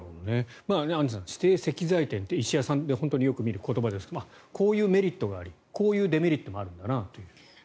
アンジュさん指定石材店って、石屋さんで本当によく見る言葉ですがこういうメリットがありこういうデメリットがあるんだなという。